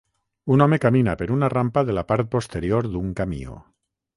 Un home camina per una rampa de la part posterior d'un camió.